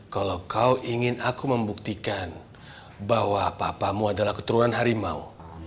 kalau kau ingin aku membuktikan bahwa papamu adalah keturunan harimau